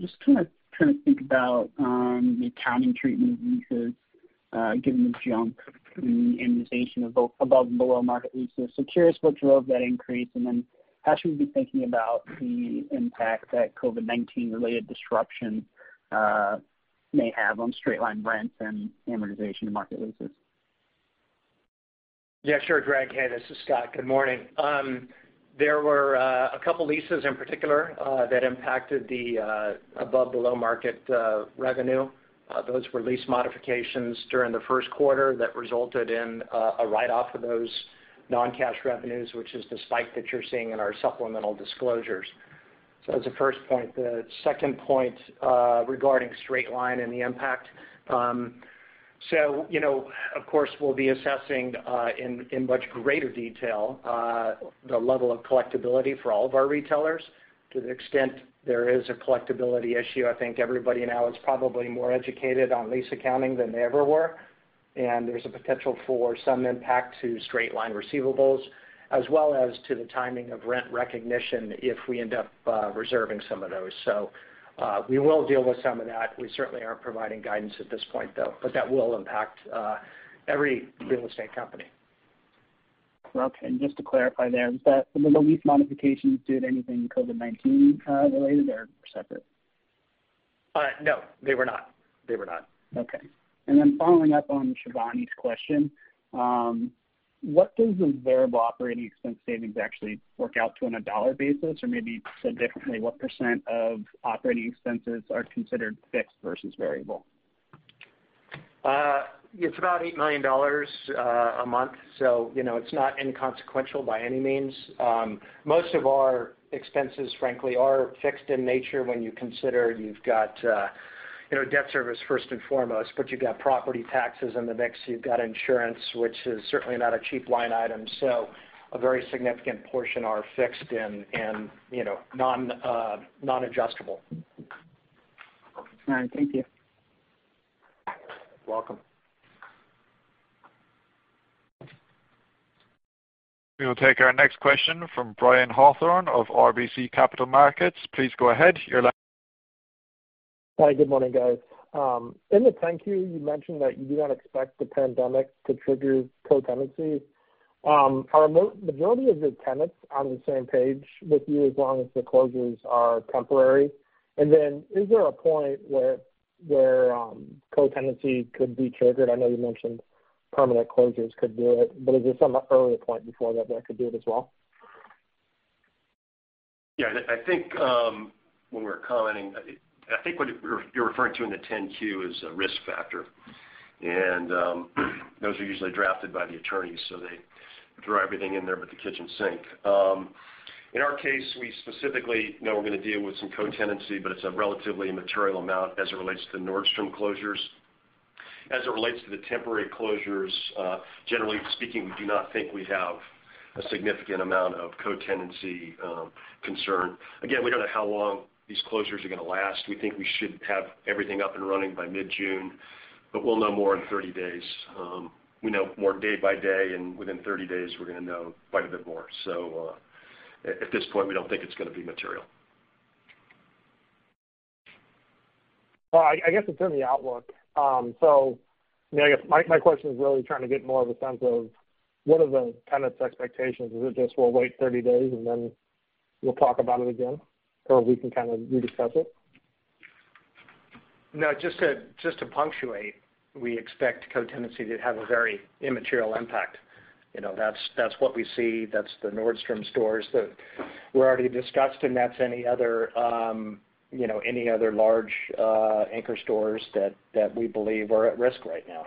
P: just think about the accounting treatment leases, given the jump in the amortization of above and below market leases. Curious what drove that increase, and then how should we be thinking about the impact that COVID-19 related disruption may have on straight-line rents and amortization to market leases?
D: Yeah, sure, Greg. Hey, this is Scott. Good morning. There were a couple leases in particular that impacted the above below market revenue. Those were lease modifications during the first quarter that resulted in a write-off of those non-cash revenues, which is the spike that you're seeing in our supplemental disclosures. That's the first point. The second point regarding straight line and the impact. Of course, we'll be assessing in much greater detail, the level of collectibility for all of our retailers. To the extent there is a collectibility issue, I think everybody now is probably more educated on lease accounting than they ever were, and there's a potential for some impact to straight-line receivables, as well as to the timing of rent recognition if we end up reserving some of those. We will deal with some of that. We certainly aren't providing guidance at this point, though. That will impact every real estate company.
P: Okay. Just to clarify there, were the lease modifications due to anything COVID-19 related or separate?
D: No, they were not.
P: Okay. Following up on Shivani's question, what does the variable operating expense savings actually work out to on a dollar basis? Maybe said differently, what % of operating expenses are considered fixed versus variable?
D: It's about $8 million a month. It's not inconsequential by any means. Most of our expenses, frankly, are fixed in nature when you consider you've got debt service first and foremost, but you've got property taxes in the mix. You've got insurance, which is certainly not a cheap line item. A very significant portion are fixed and non-adjustable.
P: All right. Thank you.
D: You're welcome.
A: We will take our next question from Brian Haworth of RBC Capital Markets. Please go ahead.
Q: Hi, good morning, guys. In the 10-Q you mentioned that you do not expect the pandemic to trigger co-tenancy. Are the majority of your tenants on the same page with you as long as the closures are temporary? Is there a point where co-tenancy could be triggered? I know you mentioned permanent closures could do it, but is there some earlier point before that that could do it as well?
C: Yeah, I think when we're commenting, I think what you're referring to in the 10-Q is a risk factor. Those are usually drafted by the attorneys, so they throw everything in there but the kitchen sink. In our case, we specifically know we're going to deal with some co-tenancy, but it's a relatively immaterial amount as it relates to Nordstrom closures. As it relates to the temporary closures, generally speaking, we do not think we have a significant amount of co-tenancy concern. Again, we don't know how long these closures are going to last. We think we should have everything up and running by mid-June, but we'll know more in 30 days. We know more day by day, and within 30 days we're going to know quite a bit more. At this point, we don't think it's going to be material.
Q: Well, I guess it's in the outlook. Yeah, I guess my question is really trying to get more of a sense of what are the tenants' expectations. Is it just we'll wait 30 days, and then we'll talk about it again, or we can kind of rediscuss it?
D: Just to punctuate, we expect co-tenancy to have a very immaterial impact. That's what we see. That's the Nordstrom stores that were already discussed, and that's any other large anchor stores that we believe are at risk right now.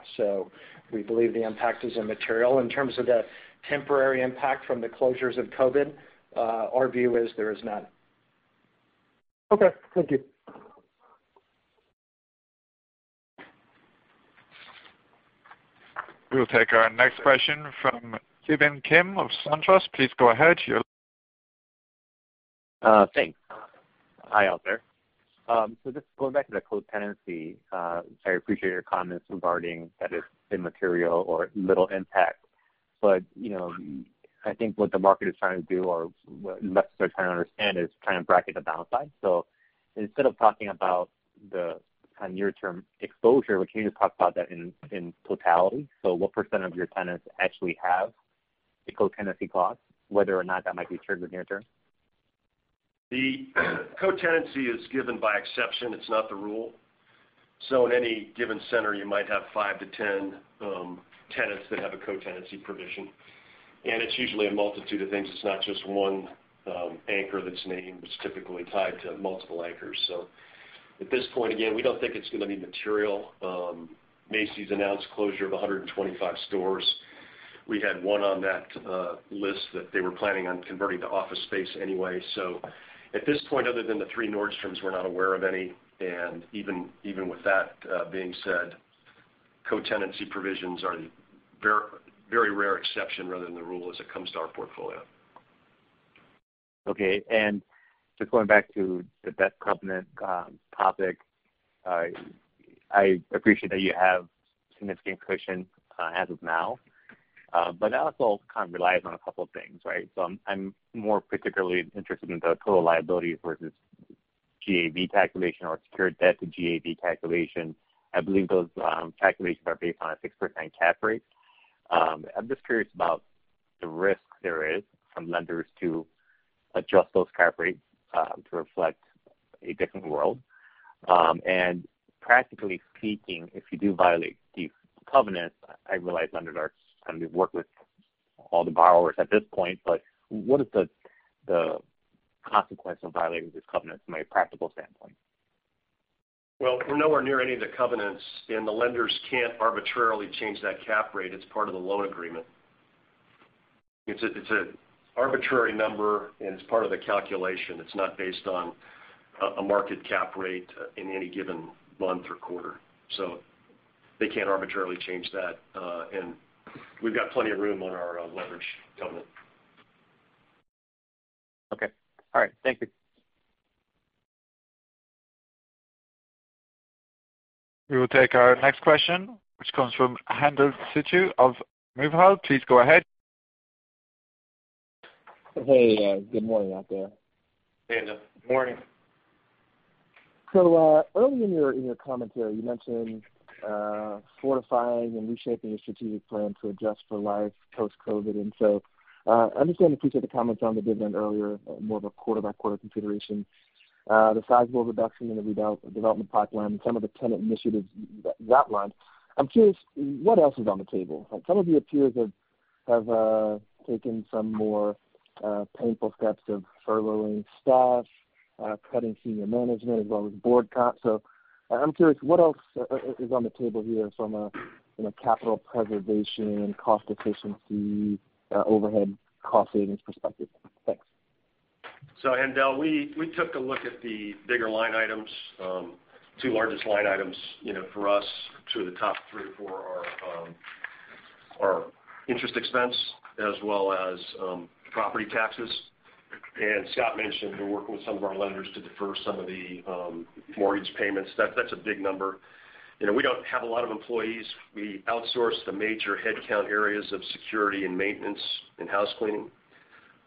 D: We believe the impact is immaterial. In terms of the temporary impact from the closures of COVID, our view is there is none.
Q: Okay, thank you.
A: We'll take our next question from Ki Bin Kim of SunTrust. Please go ahead, your line.
R: Thanks. Hi, out there. Just going back to the co-tenancy, I appreciate your comments regarding that it's immaterial or little impact. I think what the market is trying to do or what investors are trying to understand is trying to bracket the downside. Instead of talking about the kind of near-term exposure, can you just talk about that in totality? What % of your tenants actually have a co-tenancy clause, whether or not that might be triggered near term?
C: The co-tenancy is given by exception, it's not the rule. In any given center, you might have five to 10 tenants that have a co-tenancy provision, and it's usually a multitude of things. It's not just one anchor that's named. It's typically tied to multiple anchors. At this point, again, we don't think it's going to be material. Macy's announced closure of 125 stores. We had one on that list that they were planning on converting to office space anyway. At this point, other than the three Nordstroms, we're not aware of any. Even with that being said, co-tenancy provisions are the very rare exception rather than the rule as it comes to our portfolio.
R: Okay. Just going back to the debt covenant topic, I appreciate that you have significant cushion as of now. That also kind of relies on a couple of things, right? I'm more particularly interested in the total liabilities versus GAV calculation or secured debt to GAV calculation. I believe those calculations are based on a 6% cap rate. I'm just curious about the risk there is from lenders to adjust those cap rates to reflect a different world. Practically speaking, if you do violate these covenants, I realize lenders are trying to work with all the borrowers at this point, but what is the consequence of violating these covenants from a practical standpoint?
C: Well, we're nowhere near any of the covenants. The lenders can't arbitrarily change that cap rate. It's part of the loan agreement. It's an arbitrary number. It's part of the calculation. It's not based on a market cap rate in any given month or quarter. They can't arbitrarily change that. We've got plenty of room on our leverage covenant.
R: Okay. All right. Thank you.
A: We will take our next question, which comes from Haendel St. Juste of Mizuho. Please go ahead.
S: Hey, good morning out there.
C: Haendel, good morning.
S: Early in your commentary, you mentioned fortifying and reshaping your strategic plan to adjust for life post-COVID-19. I understand the piece of the comments on the dividend earlier, more of a quarter-by-quarter consideration, the sizable reduction in the development pipeline and some of the tenant initiatives you outlined. I'm curious, what else is on the table? Some of your peers have taken some more painful steps of furloughing staff, cutting senior management, as well as board cuts. I'm curious, what else is on the table here from a capital preservation, cost efficiency, overhead cost savings perspective? Thanks.
C: Haendel, we took a look at the bigger line items. Two largest line items for us, two of the top three or four are interest expense as well as property taxes. Scott mentioned we're working with some of our lenders to defer some of the mortgage payments. That's a big number. We don't have a lot of employees. We outsource the major headcount areas of security and maintenance and house cleaning.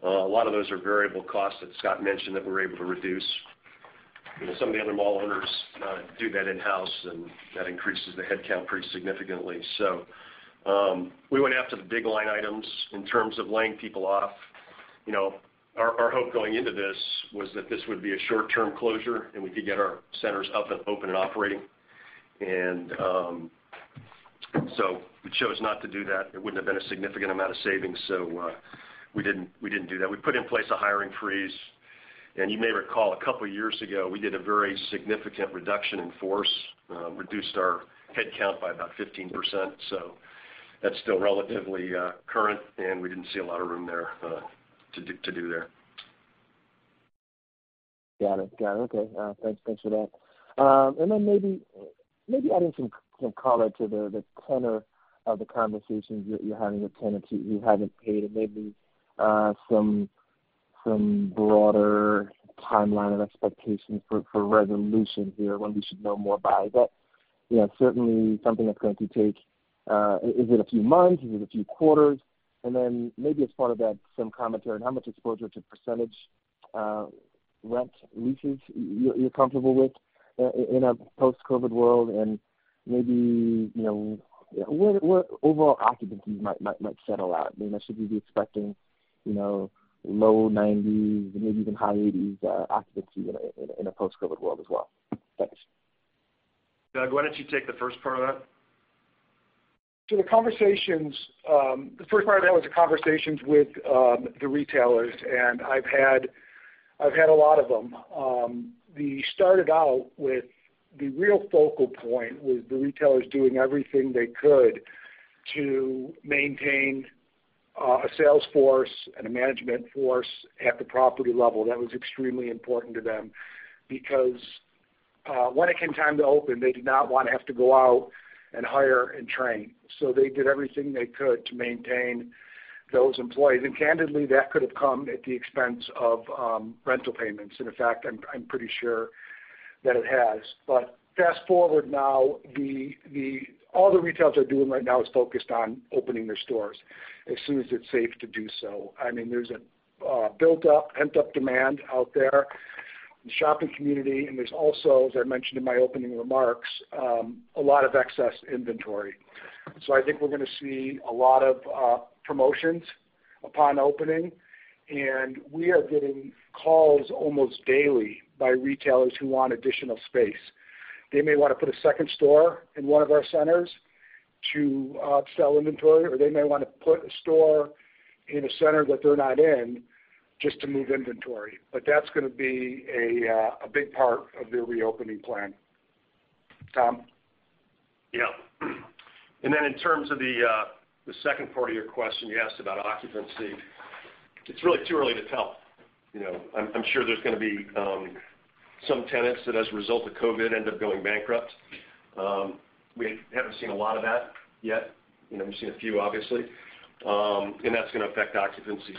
C: A lot of those are variable costs that Scott mentioned that we're able to reduce. Some of the other mall owners do that in-house, and that increases the headcount pretty significantly. We went after the big line items in terms of laying people off. Our hope going into this was that this would be a short-term closure, and we could get our centers up and open and operating. We chose not to do that. It wouldn't have been a significant amount of savings, so we didn't do that. We put in place a hiring freeze, and you may recall a couple years ago, we did a very significant reduction in force, reduced our headcount by about 15%. That's still relatively current, and we didn't see a lot of room there, to do there.
S: Got it. Okay. Thanks for that. Maybe adding some color to the tenor of the conversations that you're having with tenants who haven't paid, and maybe some broader timeline of expectations for resolution here, when we should know more by. Certainly something that's going to take, is it a few months? Is it a few quarters? Maybe as part of that, some commentary on how much exposure to percentage rent leases you're comfortable with in a post-COVID world, and maybe, where overall occupancy might settle out. I mean, should we be expecting low 90s and maybe even high 80s occupancy in a post-COVID world as well? Thanks.
C: Doug, why don't you take the first part of that?
E: The conversations, the first part of that was the conversations with the retailers, and I've had a lot of them. We started out with the real focal point was the retailers doing everything they could to maintain a sales force and a management force at the property level. That was extremely important to them because, when it came time to open, they did not want to have to go out and hire and train. They did everything they could to maintain those employees. Candidly, that could have come at the expense of rental payments. In fact, I'm pretty sure that it has. Fast-forward now, all the retailers are doing right now is focused on opening their stores as soon as it's safe to do so. There's a built-up, pent-up demand out there in the shopping community, and there's also, as I mentioned in my opening remarks, a lot of excess inventory. I think we're going to see a lot of promotions upon opening, and we are getting calls almost daily by retailers who want additional space. They may want to put a second store in one of our centers to sell inventory, or they may want to put a store in a center that they're not in just to move inventory. That's going to be a big part of their reopening plan. Tom?
C: Yep. Then in terms of the second part of your question, you asked about occupancy. It's really too early to tell. I'm sure there's going to be some tenants that, as a result of COVID, end up going bankrupt. We haven't seen a lot of that yet. We've seen a few, obviously. That's going to affect occupancy.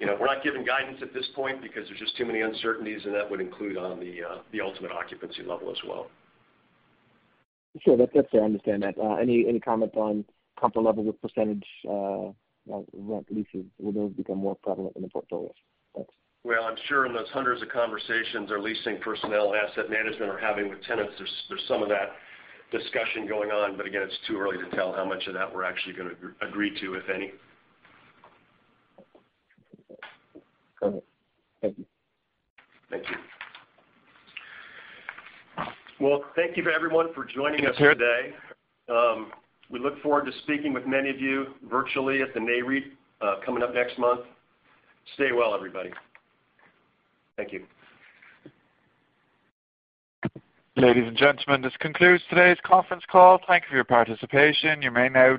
C: We're not giving guidance at this point because there are just too many uncertainties, and that would include on the ultimate occupancy level as well.
S: Sure. That's fair. I understand that. Any comment on comfort level with percentage rent leases? Will those become more prevalent in the portfolios? Thanks.
C: I'm sure in those hundreds of conversations our leasing personnel and asset management are having with tenants, there's some of that discussion going on, but again, it's too early to tell how much of that we're actually going to agree to, if any.
S: Perfect. Thank you.
C: Thank you. Well, thank you, everyone, for joining us today. We look forward to speaking with many of you virtually at the NAREIT coming up next month. Stay well, everybody. Thank you.
A: Ladies and gentlemen, this concludes today's conference call. Thank you for your participation. You may now